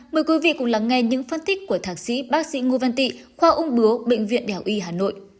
mời quý vị cùng lắng nghe những phân tích của thạc sĩ bác sĩ ngo văn tị khoa ung bứa bệnh viện đảo y hà nội